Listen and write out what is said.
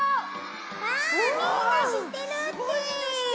あみんなしってるって。